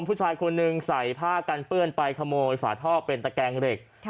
ผู้ชายคนหนึ่งใส่ผ้ากันเปื้อนไปขโมยฝาท่อเป็นตะแกงเหล็ก